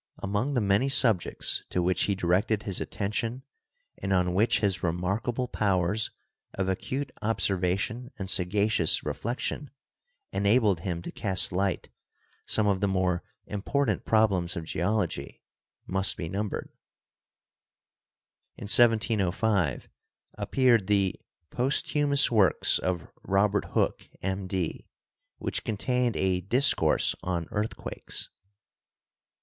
Among the many subjects to which he directed his attention and on which his remarkable powers of acute observation and sagacious reflection enabled him to cast light some of the more important problems of Geology must be numbered. In 1705 appeared the "Posthumous Works of Robert Hooke, M.D.," which contained a "Dis course on Earthquakes."